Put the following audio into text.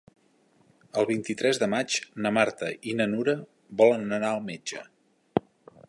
El vint-i-tres de maig na Marta i na Nura volen anar al metge.